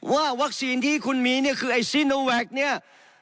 ว่าวัคซีนที่คุณมีคือไอซินโวแยกเนี่ย